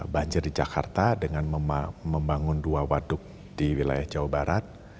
banjir di jakarta dengan membangun dua waduk di wilayah jawa barat